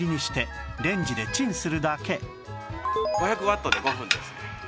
５００ワットで５分です。